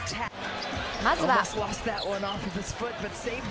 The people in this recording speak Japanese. まずは。